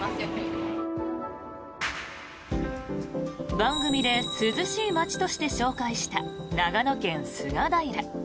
番組で涼しい街として紹介した長野県・菅平。